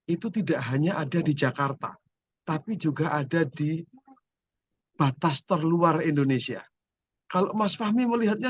itu tidak hanya ada di jakarta tapi juga ada di batas terluar indonesia kalau mas fahmi melihatnya